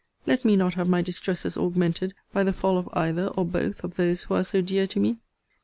Let me not have my distresses augmented by the fall of either or both of those who are so dear to me!